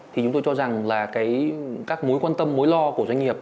thì chúng tôi cho rằng là các mối quan tâm mối lo của doanh nghiệp